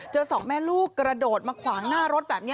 สองแม่ลูกกระโดดมาขวางหน้ารถแบบนี้